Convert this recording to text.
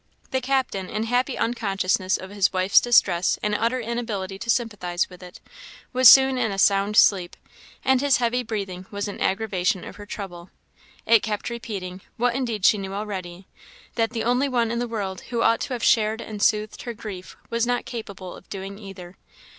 The captain, in happy unconsciousness of his wife's distress, and utter inability to sympathize with it, was soon in a sound sleep, and his heavy breathing was an aggravation of her trouble; it kept repeating, what indeed she knew already, that the only one in the world who ought to have shared and soothed her grief was not capable of doing either.